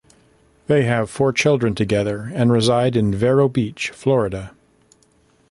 They have four children together and reside in Vero Beach, Florida.